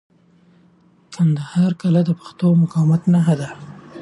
د کندهار کلا د پښتنو د مقاومت نښه ده.